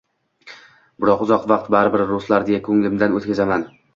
Biroq uzoq vaqt baribir ruslar, deya ko’nglimdan o’tkazaman.